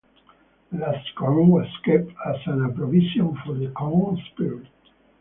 The last corn was kept as a provision for the corn spirit.